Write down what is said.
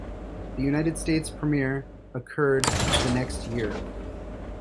The United States premiere occurred the next year.